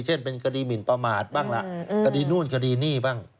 เช่นเป็นคดีหมินประมาทบ้างล่ะคดีนู่นคดีนี่บ้าง